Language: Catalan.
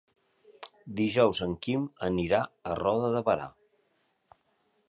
Dijous en Quim anirà a Roda de Berà.